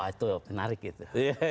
itu menarik itu